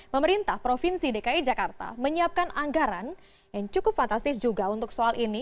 pemerintah provinsi dki jakarta menyiapkan anggaran yang cukup fantastis juga untuk soal ini